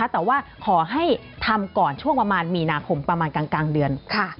ต่อว่าขอให้ทำก่อนช่วงประมาณมีนาขมกลางเดือน